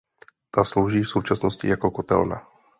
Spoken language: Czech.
Ta slouží v současnosti jako kotelna.